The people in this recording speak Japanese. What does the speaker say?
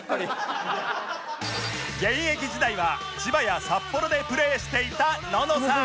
現役時代は千葉や札幌でプレーしていたののさん